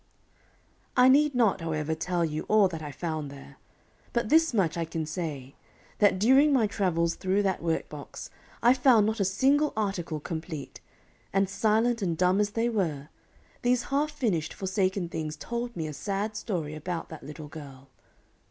I need not, however, tell you all that I found there; but this much I can say, that during my travels through that workbox, I found not a single article complete; and silent and dumb as they were, these half finished, forsaken things told me a sad story about that little girl.